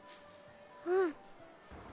うん。